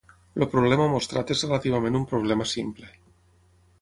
El problema mostrat és relativament un problema simple.